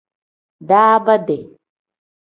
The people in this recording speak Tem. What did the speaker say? Daabaade.